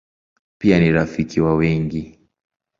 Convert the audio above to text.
Pia ni rafiki wa wengi.